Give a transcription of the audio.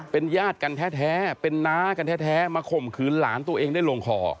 เป็นญาติกันแท้เป็นน้ากันแท้มาข่มขืนหลานตัวเองได้ลงคอ